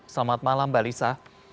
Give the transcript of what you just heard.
selamat malam mbak lisa